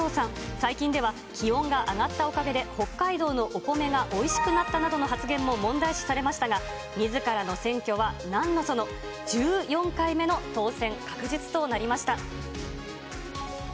最近では気温が上がったおかげで、北海道のお米がおいしくなったなどの発言も問題視されましたが、みずからの選挙はなんのその、１４回目の当選確実となりました。